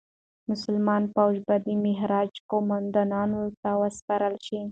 مسلمان فوج به د مهاراجا قوماندانانو ته وسپارل شي.